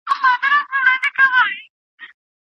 پښتو ته یو نوی رنګ ورکړه.